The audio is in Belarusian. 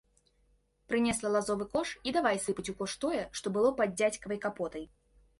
Прынесла лазовы кош і давай сыпаць у кош тое, што было пад дзядзькавай капотай.